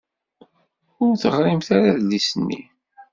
Ur teɣrimt ara adlis-nni.